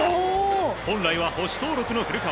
本来は捕手登録の古川。